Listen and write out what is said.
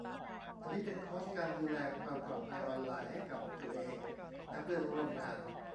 อันนี้เป็นคอร์สการดูแลความปลอดภัยออนไลน์ให้กับตัวเองและเพื่อนร่วมงาน